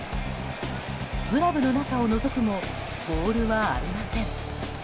グラブの中をのぞくもボールはありません。